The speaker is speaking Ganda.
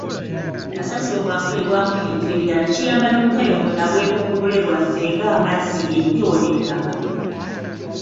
Kasasiro bw'akolebwamu ebintu ebirala kiyamba n'obutayonoona bwebungulule bwaffe ng'amazzi, empewo, n'ettaka